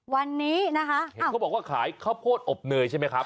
วันนี้นะคะเห็นเขาบอกว่าขายข้าวโพดอบเนยใช่ไหมครับ